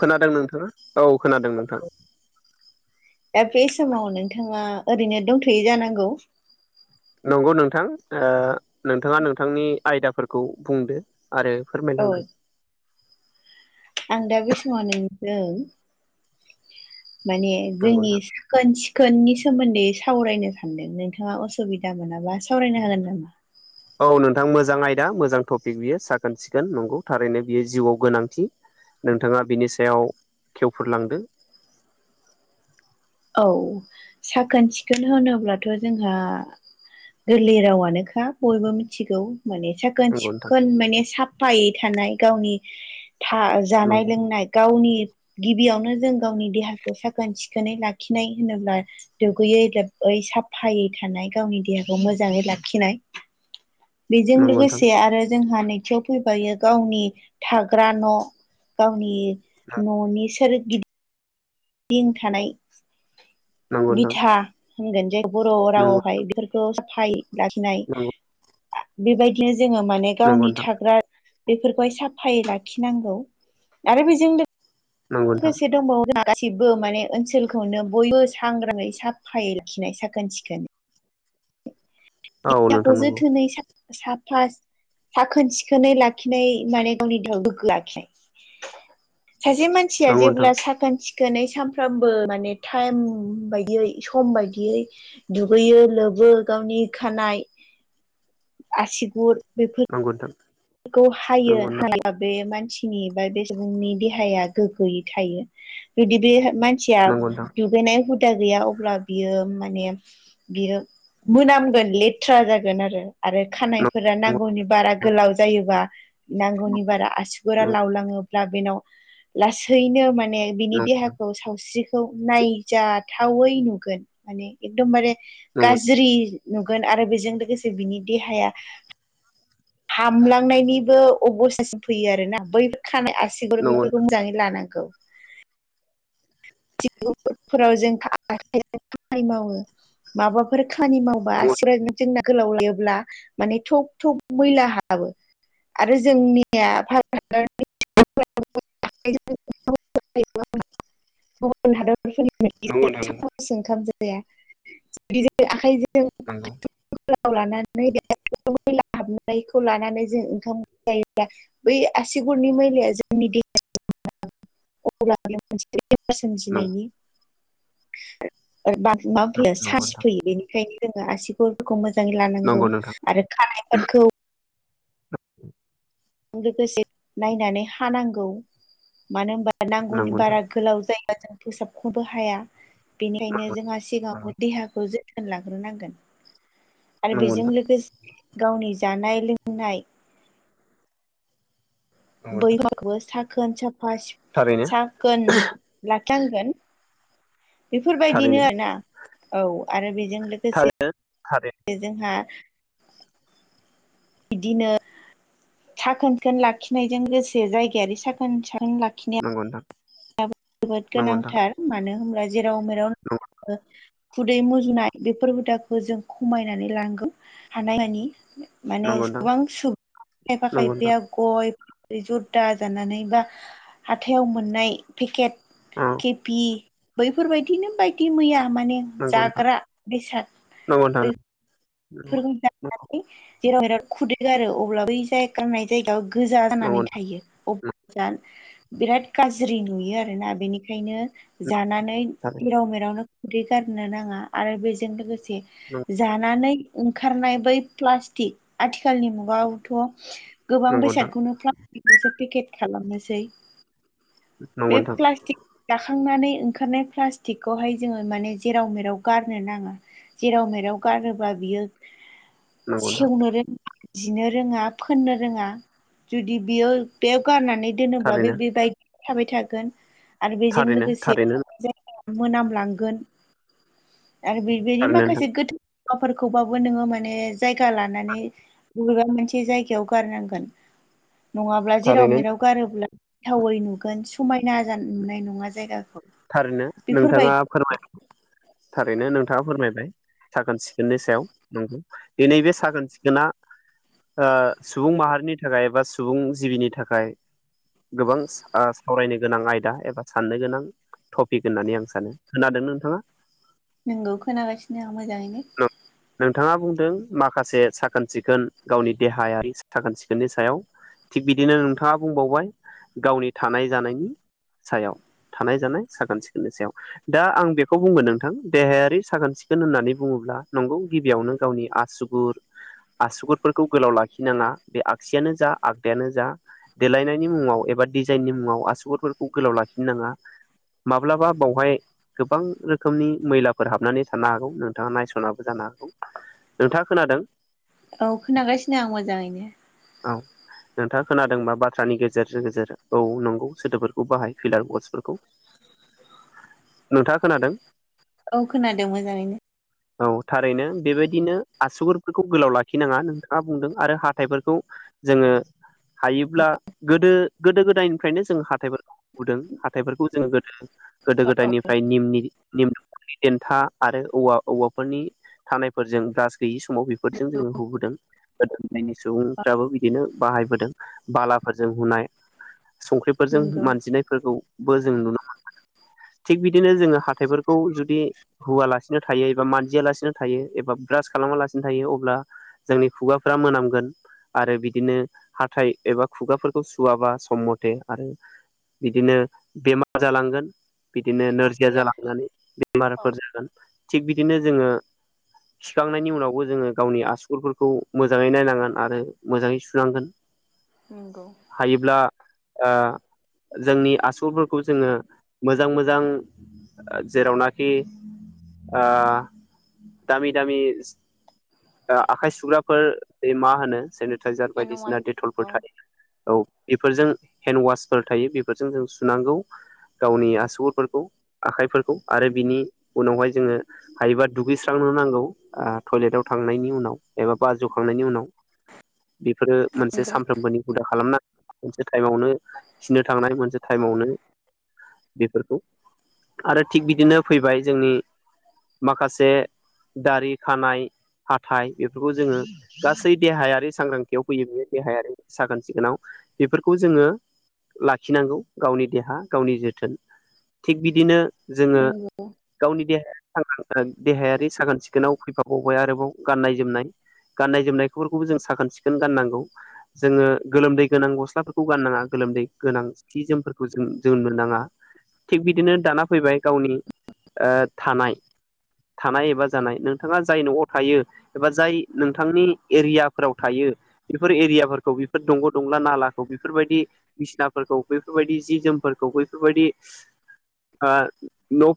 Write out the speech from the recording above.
खोनादों नोंथाङा औ खोनादों नोंथां। दा बे समाव नोंथाङा ओरैनो दंथ'यै जानांगौ। नंगौ नोंथां नोंथाङा नोंथांनि आयदाफोरखौ बुंदो आरो औ फोरमायलांदो। आं दा बे समाव नोंदों माने नंगौ जोंनि नोंथां सिखोन सिखोननि सोमोन्दै सावरायनो सानदों नोंथाङा असुबिदा मोनाबा सावरायनो हागोन नामा? औ नोंथां मोजां आयदा मोजां टपिक बियो साखोन सिखोन नंगौ थारैनो बियो जिउआव गोनांथि नोंथाङा बिनि सायाव खेवफोर लांदो औ साखोन सिखोन होनोब्लाथ' जोंहा गोरलै रावानोखा बयबो मिथिगौ माने नंगौ नोंथां साख्रि माने साफायै थानाय गावनि जानाय नंगौ लोंनाय गावनि गिबियावनो जों गावनि देहाखौ साखोन सिखोनै ला खिनाय होनोब्ला दुगैयै लोबै साफायै थानाय गावनि देहाखौ मोजाङै लाखिनाय [inaudible] बेजों लोगोसे आरो जोंहा नैथियाव फैबाय गावनि थाग्रा न' गावनि न'नि सोरगिदिं थानाय नंगौ बिथा होनगोन जाय बर' रावआवहाय बेफोरखौ खौ साफाय लाखिनाय नोंथां बेबायदिनो जोङो माने नंगौ गावनि नोंथां थाग्रा बेफोरखौहाय साफायै लाखिनांगौ आरो बेजों नंगौ नंगौ लोगोसे दंबावो गासिबो माने ओनसोलखौनो बयबो सांग्राङै साफायै लाखिनाय साखोन सिखोन नंगौ नोंथां नंगौ नोंथां औ नोंथां खौ नंगौ जोथोनै साफा साखोन सिखोनै लाखिनाय माने गावनि देहायाव गोग्गो लाखिनाय सासे मानसिया नंगौ नोंथां जेब्ला साखोन सिखोन सिखोनाय सानफ्रामबो माने टाइम बायदियै सम बायदियै दुगैयो लोबो गावनि खानाय आसिगुर बेफोर नंगौ नोंथां हायो हानाय बे मानसिनि बा बे सुबुंनि देहाया गोगोयै थायो जुदि बे थिया नंगौ नोंथां नंगौ दुगैनाय हु सुबिदा गैया अब्ला बियो माने बियो मोनामगोन लेथ्रा जागोन आरो आरो खानायफोरा नांगौनि बारा गोलाव जायोबा नांगौनि बारा आसुगुरा लावलाङोब्ला बेनाव लासैनो माने बिनि नोंथां देहाखौ सावस्रिखौ नायजाथावै नुगोन माने एकदमबारे नंगौ नोंथां नंगौ नंगौ गाज्रि नुगोन आरो बेजों लोगोसे बिनि देहाया हामलांनायनिबो अबस्थासिम फैयो आरो ना बैफोर खानाय आसिगुर बेफोरखौ मोजाङै लानांगौ जों खामानि मावो माबा फोर खामानि मावबा आसिगुरा जोंना गोलाव लायोब्ला माने थब थब मैला हाबो आरो जोंनिया भारत हादरनि गुबुन हादरफोरनि नंगौ बायदि नोंथां सामसजों ओंखाम जाया नंगौ [unintelligible] हाबनायखौ लानानै जों ओंखाम जायोब्ला बै आससिगुरनि मैलाया जोंनि दे नंगौ सोमजिनायनि मा फैयो चान्स नोंथां फैयो बेनिखायनो जोङो आसि फोरखौ मोजाङै लानांगौ नंगौ नोंथां आरो खानायफोरखौ लोगोसे नायनानै हानांगौ मानो होनबा नांगौनि नंगौ नोंथां बारा गोलाव जायोबा जों फोसाबखनोबो हाया बेनिखायनो जोंहा नंगौ सिगाङावनो देहाखौ जोथोन लाग्रोनांगोन आरो नंगौ बेजों नोंथां लोगोसे गावनि जानाय लोंनाय नंगौ नोंथां साखोन साफा थारैनो साखोन लाखांगोन थारैनो बेफोरबायदिनो आरोना औ आरो बेजों लोगोसे थारैनो थारैनो जोंहा बिदिनो साखोन सिखोन लाखिनायजों लोगोसे जायगायारि साखोन साखोन लाखिनाया नंगौ नोंथां जोबोद नंगौ नोंथां गोनांथार मानो होनब्ला जेराव मेराव खुदै मुजुनाय बेफोर हुदाखौ जों खमायनानै लांगोन हानाय मानि माने नंगौ नोंथां गोबां सुबुं खायफा नंगौ नोंथां खायफाया गय फाथै जरदा जानानै बा हाथायाव मोननाय पेकेट औ केपि बैफोरबायदिनो बायदि मैया माने नंगौ नोंथां जाग्रा नंगौ नोंथां नंगौ बेफोरखौ जानानै जेराव बिराद खुदै गारो अब्ला बै जाय गारनाय जायगायाव गोजा नंगौ जानानै नोंथां थायो अब्ला बिराद गाज्रि नुयो आरोना बेनिखायनो जानानै जेराव मेरावनो खुदै गारनो नाङा आरो बेजों लोगो से नंगौ जानानै ओंखारनाय बै प्लास्टिक आथिखालनि मुगायावथ' गोबां नोंथां बेसादखौनो खौसो पेकेट खालामनोसै बे नंगौ प्लास्टिक जाखांनानै ओंखारनाय प्लास्टिकखौहाय जोङो माने जेराव मेराव गारनो नाङा जेराव मेराव गारोबा बियो नोंथां सेवनो रोङा जिनो रोङा फोननो रोङा जुदि बेयाव बेयाव गारनानै दोनोब्ला बे थारैनो बेबाय थाबाय थागोन आरो बेजों थारैनो लोगोसे थारैनो मोनामलांगोन आरो बेबायदि थारैनो नोंथां माखासे गोथौ मुवाफोरखौ बो नोङो माने जायगा लानानै बबेबा मोनसे जायगायाव गारनांगोन नङाब्ला जेराव थारैनो मेराव गारोब्ला गोथावै नुगोन समायना नुनाय नङा जायगाखौ थारैनो नोंथाङा बेफोरबायदि फोरमायबाय थारैनो नोंथाङा फोरमायबाय साखोन सिखोननि सायाव नंगौ दिनै बे साखोन सिखोना सुबुं माहारिनि थाखाय एबा सुबुं जिबिनि थाखाय गोबां सावरायनो गोनां आयदा एबा साननो गोनां टपिक होननानै आं सानो खोनादोंना नोंथाङा नंगौ खोनागासिनो आं मोजाङैनो नोंथाङा बुंदों माखासे साखोन सिखोन गावनि देहायारि साखोन सिखोननि सायाव थिग बिदिनो नोंथाङा बुंबावबाय गावनि थानाय जानायनि सायाव थानाय जानाय साखोन सिखोननि सायाव दा आं बेखौ बुंगोन नोंथां देहायारि साखोन सिखोन होननानै बुङोब्ला नंगौ गिबियावनो गावनि आसुगुर आसुगुरफोरखौ गोलाव लाखिनाङा बे आगसियानो जा आगदायानो जा देलायनायनि मुङाव एबा डिजाइननि मुङाव आसुगुरफोरखौ गोलाव लाखि नाङा माब्लाबा बावहाय गोबां रोखोमनि मैलाफोर हाबनानै थानो हागौ नोंथाङा नायस'ना जानो हागौ नोंथाङा खोनादों औ खोनागासिनो आं मोजाङैनो औ नोंथाङा खोनादोंबा बाथ्रानि गेजेरजों गेजेर औ नंगौ सोदोबफोरखौ बाहाय फिलार बसफोरखौ नोंथाङा खोनादों औ खोनादों मोजाङैनो औ थारैनो बेबायदिनो आसुगुरफोरखौ गोलाव लाखिनाङा नोंथाङा बुंदों आरो हाथाइफोरखौ जोङो हायोब्ला गोदो गोदो गोदायनिफ्रायनो जोङो हाथाइफोरखौ होबोदों हाथाइफोरखौ जोङो गोदो गोदो गोदायनिफ्राय निम नि देन्था आरो औवा औ बेफोरनि थानायफोरजों ब्रास गैयि समाव बेफोरजों जोङो हुबोदों गोदो उन्दैनि सुबुंफ्राबो बिदिनो बाहायबोदों बालाफोरजों हुनाय संख्रिफोरजों नंगौ मानजिनायफोरखौबो जों नुनो मोनबोदों थिग बिदिनो जोङो हाथाइफोरखौ जुदि हुवालासिनो थायो एबा मान जियालासिनो थायो एबा ब्रास खालामालासिनो थायो अब्ला जोंनि खुगाफ्रा मोनामगोन आरो बिदिनो हाथाय एबा खुगाफोरखौ सुवाबा सम मथे आरो बिदिनो बेमार जालांगोन बिदिनो आंनाव नोरजिया फैयाखै जालांनानै औ बेमारफोर जागोन थिग बिदिनो जोङो खिखांनायनि उनावबो जोङो गावनि आसुगुरफोरखौ मोजाङै नायनांगोन आरो मोजाङै सुनांगोन [inaudible] नंगौ हायोब्ला ओ जोंनि आसलफोरखौ जोङो मोजां मोजां जेरावनाखि ओ दामि दामि आखाइ सुग्राफोर मा होनो जे थाइजार हेन्द वास बायदिसिना औ डेटलफोर थायो औ बेफोरजों हेन्द वासफोर थायो बेफोरजों जों सुनांगौ गावनि आसुगुरफोरखौ आखाइफोरखौ आरो बिनि उनावहाय जोङो हायोबा दुगैस्रांनो नांगौ टयलेटाव थांनायनि उनाव एबा बाज'खांनायनि उनाव बेफोरो मोनसे सामफ्रोमबोनि हुदा खालामना मोनसे टाइमावनो खिनो थांनाय मोनसे टाइमावनो बेफोरखौ आरो थिग बिदिनो फैबाय जोंनि माखासे दारि खानाय हाथाइ बेफोरखौ जोङो गासै देहायारि सांग्रांथियाव फैयो बेयो देहायारि साखोन सिखोनाव बेफोरखौ जोङो लाखिनांगौ गावनि देहा गावनि जोथोन थिग बिदिनो जोङो नंगौ गावनि दे देहायारि साखोन सिखोनाव फैफाबाय आरोबाव गाननाय जोमनाय गाननाय जोमनायफोरखौबो जों साखोन सिखोन गाननांगौ जोङो गोलोमदै गोनां गस्लाफोरखौ गाननाङा गोलोमदै गोनां सि जोमफोरखौ जों जों मोननाङा थिग बिदिनो दाना फैबाय गावनि थानाय थानाय एबा जानाय नोंथाङा जाय न'आव थायो एबा जाय नोंथांनि एरियाफोराव थायो बेफोर एरियाफोरखौ बेफोर दंग' दंला नालाखौ बेफोरबायदि बिसिनाफोरखौ बैफोरबायदि जि जोमफोरखौ बैफोरबायदि न'